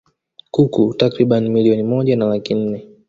kuku takriban milioni moja na laki nne